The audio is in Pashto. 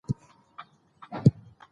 اداري مقررات د خدمت د منظمولو لپاره دي.